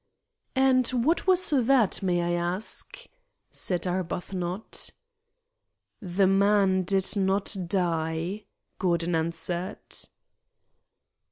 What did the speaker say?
"And what was that, may I ask?" said Arbuthnot. "The man did not die," Gordon answered.